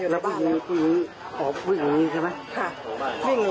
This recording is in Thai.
แล้วผู้หญิงออกวิ่งอยู่นี่ใช่ไหม